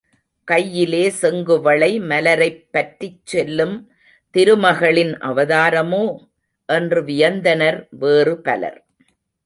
கையிலே செங்குவளை மலரைப் பற்றிச் செல்லும் திருமகளின் அவதாரமோ? என்று வியந்தனர் வேறு பலர்.